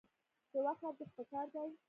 د وخت ارزښت پکار دی